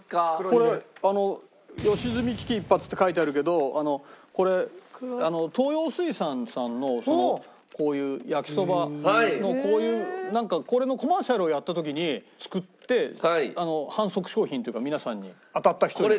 これあの良純危機一発って書いてあるけどこれ東洋水産さんのこういう焼きそばのこれのコマーシャルをやった時に作って販促商品というか皆さんに当たった人に。